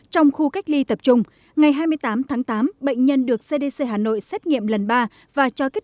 trong khu cách ly tập trung ngày hai mươi tám tháng tám bệnh nhân được cdc hà nội xét nghiệm lần ba và cho kết